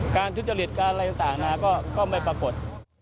การทุจริตการอะไรต่างก็ไม่ปรากฏ